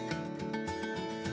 terima kasih memang